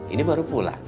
ini baru pulang